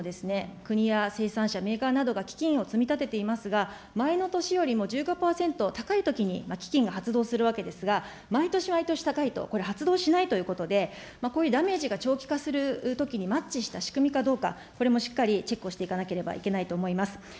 この餌に関しても、国や生産者、メーカーなどが基金を積み立てていますが、前の年よりも１５％高いときに基金が発動するわけですが、毎年毎年高いとこれ、発動しないということで、こういうダメージが長期化するときにマッチした仕組みかどうか、これもしっかりチェックをしていかなければいけないと思います。